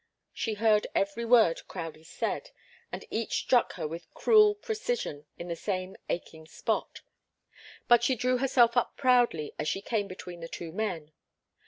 She heard every word Crowdie said, and each struck her with cruel precision in the same aching spot. But she drew herself up proudly as she came between the two men.